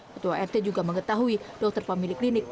ketua rt juga mengetahui dokter pemilik klinik